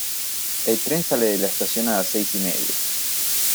El tren sale de la estación a las seis y media